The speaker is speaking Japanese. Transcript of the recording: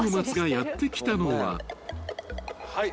はい。